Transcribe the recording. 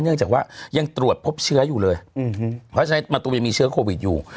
เนื่องจากว่ายังตรวจพบเชื้ออยู่เลยเพราะฉะนั้นประตูยังมีเชื้อโควิดอยู่